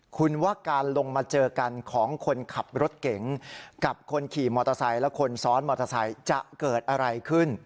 คุณว่าการลงมาเจอกันของคนขับรถเก๋งกับคนขี่มอเตอร์ไซค์และคนซ้อนมอเตอร์ไซค์จะเกิดอะไรขึ้น